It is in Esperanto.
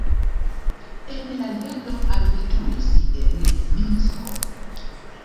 En la jaro alveturis en Minsko.